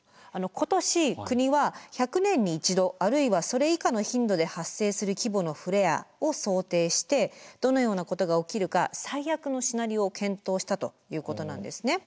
今年国は１００年に１度あるいはそれ以下の頻度で発生する規模のフレアを想定してどのようなことが起きるか最悪のシナリオを検討したということなんですね。